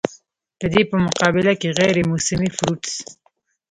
د دې پۀ مقابله کښې غېر موسمي فروټس